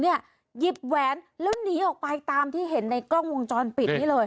หยิบแหวนแล้วหนีออกไปตามที่เห็นในกล้องวงจรปิดนี้เลย